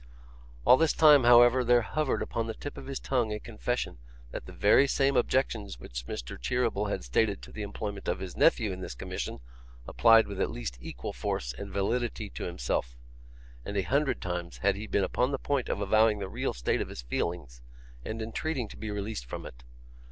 All this time, however, there hovered upon the tip of his tongue a confession that the very same objections which Mr. Cheeryble had stated to the employment of his nephew in this commission applied with at least equal force and validity to himself, and a hundred times had he been upon the point of avowing the real state of his feelings, and entreating to be released from it.